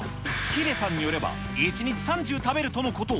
ヒデさんによれば、１日３０食べるとのこと。